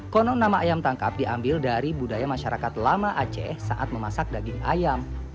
konon nama ayam tangkap diambil dari budaya masyarakat lama aceh saat memasak daging ayam